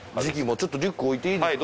ちょっとリュック置いていいですか？